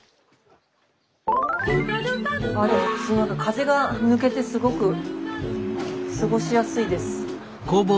ああでも風が抜けてすごく過ごしやすいです。